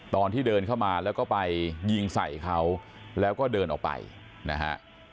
ตอนที่เดินเข้ามาแล้วก็ไปยิงใส่เขาแล้วก็เดินออกไปนะฮะ